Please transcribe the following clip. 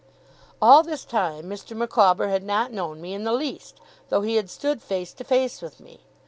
All this time, Mr. Micawber had not known me in the least, though he had stood face to face with me.